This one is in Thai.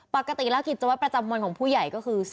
ปกติแล้วกิจวัตรประจำวันของผู้ใหญ่ก็คือ